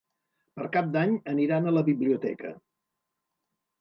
Per Cap d'Any aniran a la biblioteca.